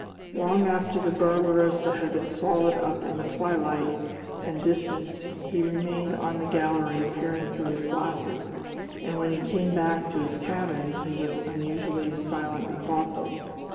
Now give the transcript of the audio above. Long after the Barbarosa had been swallowed up in the twilight and distance he remained on the gallery peering through his glasses, and when he came back to his cabin he was unusually silent and thoughtful.